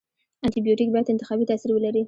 انټي بیوټیک باید انتخابي تاثیر ولري.